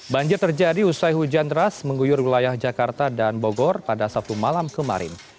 banjir terjadi usai hujan deras mengguyur wilayah jakarta dan bogor pada sabtu malam kemarin